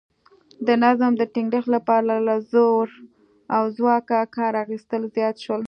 د نظم د ټینګښت لپاره له زور او ځواکه کار اخیستل زیات شول